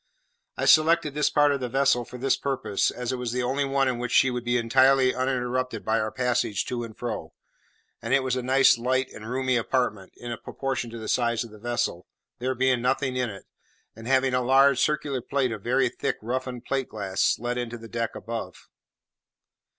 I selected this part of the vessel for this purpose, as it was the only one in which she would be entirely uninterrupted by our passage to and fro; and it was a nice light and roomy apartment, in proportion to the size of the vessel, there being nothing in it, and having a large circular plate of very thick roughened plate glass let into the deck above.